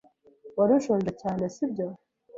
Wari ushonje cyane, si byo?